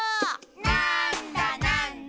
「なんだなんだ？」